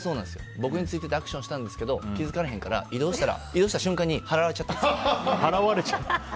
僕についててアクションしたけど気づかれへんから移動したら、移動した瞬間にはらわれちゃったんですよ。